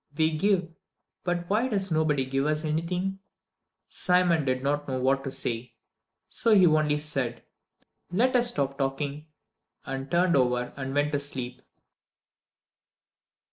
"We give; but why does nobody give us anything?" Simon did not know what to say; so he only said, "Let us stop talking," and turned over and went to sleep.